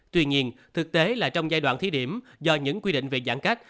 tuy nhiên thực tế là trong giai đoạn thí điểm do những quy định về giãn cách